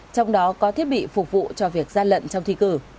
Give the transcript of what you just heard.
trong đó có thiết bị phục vụ cho việc gian lận trong thi cử